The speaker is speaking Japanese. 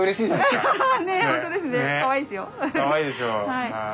かわいいでしょ。